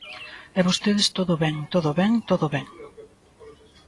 E vostedes todo ben, todo ben, todo ben.